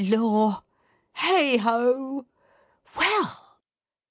Lor! Heigho! Well!